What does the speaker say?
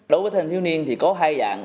đối với thanh thiếu niên thì có hai dạng